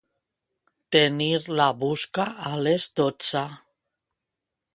Tenir la busca a les dotze.